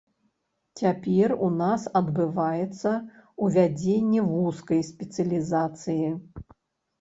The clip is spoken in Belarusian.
Цяпер у нас адбываецца ўвядзенне вузкай спецыялізацыі.